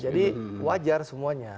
jadi wajar semuanya